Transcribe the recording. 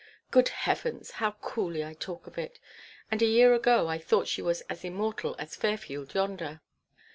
Good heavens! how coolly I talk of it; and a year ago I thought she was as immortal as Fairfield yonder.'